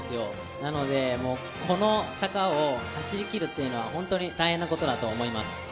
なのでこの坂を走りきるというのは本当に大変なことだと思います。